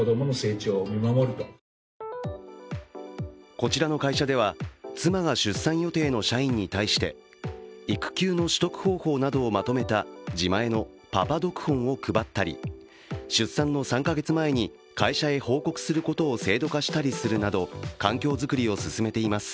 こちらの会社では妻が出産予定の社員に対して育休の取得方法などをまとめた自前のパパ読本を配ったり、出産の３か月前に会社へ報告することを制度化したりするなど、環境作りを進めています。